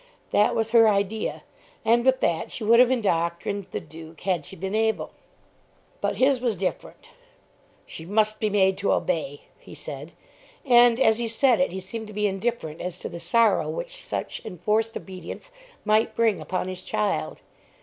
That was her idea, and with that she would have indoctrined the Duke had she been able. But his was different. "She must be made to obey," he said. And, as he said it, he seemed to be indifferent as to the sorrow which such enforced obedience might bring upon his child.